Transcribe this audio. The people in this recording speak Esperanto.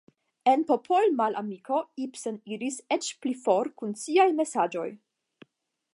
En "Popolmalamiko" Ibsen iris eĉ pli for kun siaj mesaĝoj.